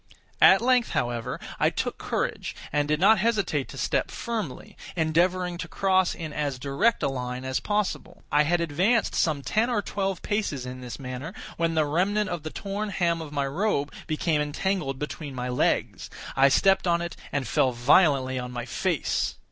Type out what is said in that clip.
At length, however, I took courage, and did not hesitate to step firmly; endeavoring to cross in as direct a line as possible. I had advanced some ten or twelve paces in this manner, when the remnant of the torn hem of my robe became entangled between my legs. I stepped on it, and fell violently on my face.